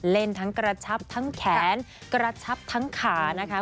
เล่นทั้งกระชับทั้งแขนกระชับทั้งขานะคะ